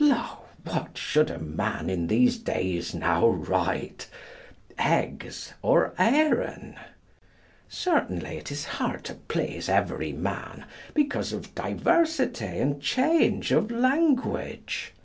Lo, what should a man in these days now write, eggs or eyren? Certainly it is hard to please every man because of diversity and change of language.